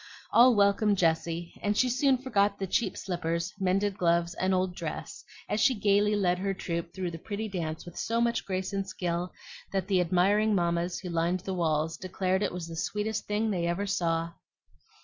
All welcomed Jessie, and she soon forgot the cheap slippers, mended gloves, and old dress, as she gayly led her troop through the pretty dance with so much grace and skill that the admiring mammas who lined the walls declared it was the sweetest thing they ever saw.